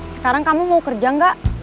sekarang kamu mau kerja enggak